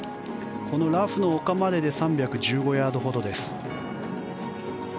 このラフの丘までで３１５ヤードほどです。